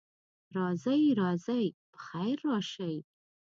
راځئ، راځئ، پخیر راشئ.